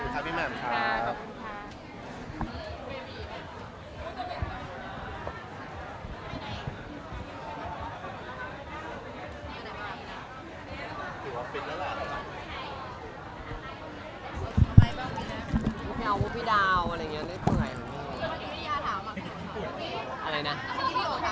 ขอบคุณครับพี่แหม่มครับ